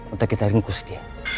untuk kita ringkus dia